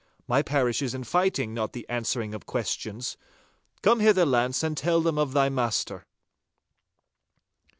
My parish is fighting, not the answering of questions. Come hither, Launce, and tell them of thy master!